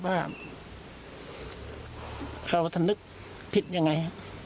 ว่าเราสำนึกผิดยังไง